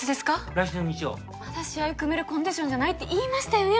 来週の日曜まだ試合組めるコンディションじゃないって言いましたよね